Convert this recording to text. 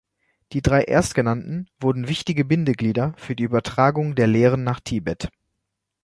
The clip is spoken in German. Die drei erstgenannten wurden wichtige Bindeglieder für die Übertragung der Lehren nach Tibet.